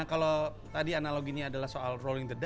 nah kalau tadi analog ini adalah soal rolling the dice